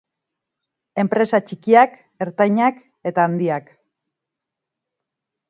Enpresa txikiak, ertainak eta handiak.